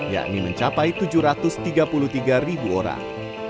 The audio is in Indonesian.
yakni mencapai tujuh ratus tiga puluh tiga ribu orang